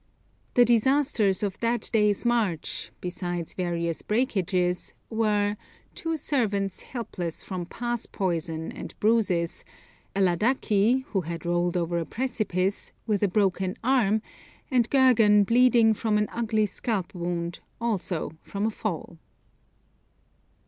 The disasters of that day's march, besides various breakages, were, two servants helpless from 'pass poison' and bruises; a Ladaki, who had rolled over a precipice, with a broken arm, and Gergan bleeding from an ugly scalp wound, also from a fall.